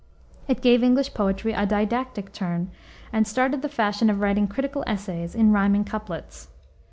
It gave English poetry a didactic turn and started the fashion of writing critical essays in riming couplets.